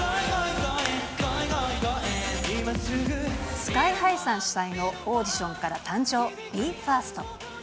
スカイハイさん主催のオーディションから誕生したＢＥ：ＦＩＲＳＴ。